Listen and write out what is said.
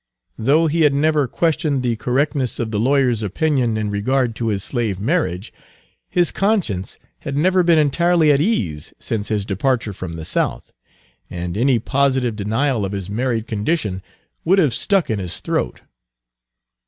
Though he had never questioned the correctness of the lawyer's opinion in regard to his slave marriage, his conscience had never been entirely at ease since his departure from the South, and any positive denial of his married condition would have stuck in his throat.